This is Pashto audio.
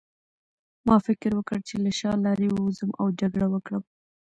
ما فکر وکړ چې له شا لارې ووځم او جګړه وکړم